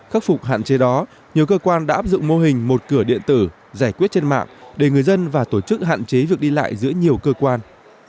khắc phục hạn chế đó nhiều cơ quan đã áp dụng mô hình một cửa điện tử giải quyết trên mạng để người dân và tổ chức hạn chế việc đi lại giữa nhiều cơ quan